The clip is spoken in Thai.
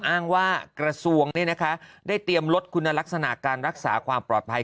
อ้างว่ากระทรวงได้เตรียมลดคุณลักษณะการรักษาความปลอดภัย